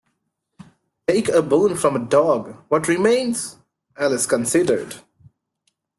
‘Take a bone from a dog: what remains?’ Alice considered.